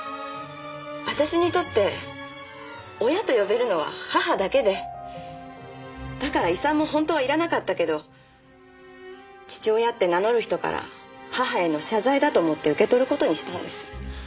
私にとって親と呼べるのは母だけでだから遺産も本当はいらなかったけど父親って名乗る人から母への謝罪だと思って受け取る事にしたんです。